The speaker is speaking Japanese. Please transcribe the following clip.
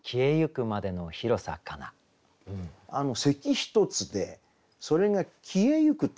「咳ひとつ」でそれが「消えゆく」と。